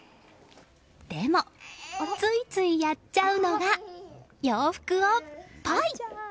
でも、ついついやっちゃうのが洋服をポイ！